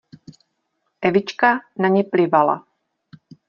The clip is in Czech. Evička na ně plivala.